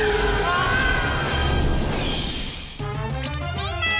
みんな！